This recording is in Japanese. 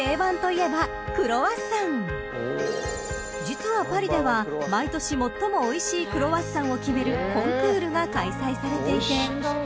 ［実はパリでは毎年最もおいしいクロワッサンを決めるコンクールが開催されていて］